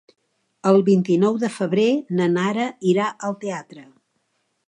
El vint-i-nou de febrer na Nara irà al teatre.